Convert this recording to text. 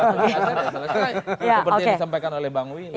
yang disampaikan oleh bang wi